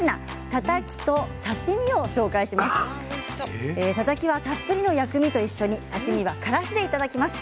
たたきは、たっぷりの薬味と一緒に刺身はからしでいただきます。